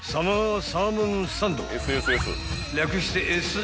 ［略して］